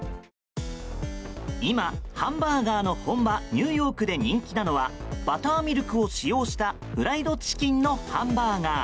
今、ハンバーガーの本場ニューヨークで人気なのはバターミルクを使用したフライドチキンのハンバーガー。